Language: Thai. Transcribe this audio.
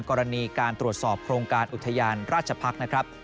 กรณีการตรวจสอบโครงการอุทยานราชภักษ์นะครับ